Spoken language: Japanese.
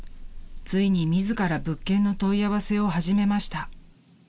［ついに自ら物件の問い合わせを始めました］